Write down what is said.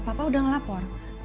papa udah ngelapor